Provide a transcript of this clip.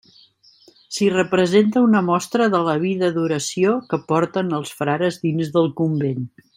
S'hi representa una mostra de la vida d'oració que porten els frares dins del convent.